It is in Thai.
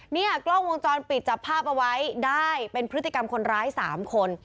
เนี่ยกล้องวงจรปิดจับภาพเอาไว้ได้เป็นพฤติกรรมคนร้าย๓คน